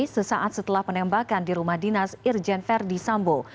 sesaat setelah penembakan di rumah dinas irjen verdi sambo